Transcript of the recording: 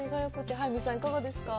早見さん、いかがですか。